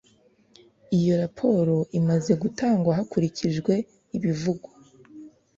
Iyo raporo imaze gutangwa hakurikijwe ibivugwa